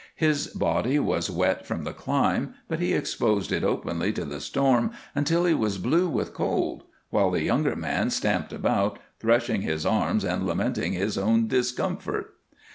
His body was wet from the climb, but he exposed it openly to the storm until he was blue with cold, while the younger man stamped about, threshing his arms and lamenting his own discomfort.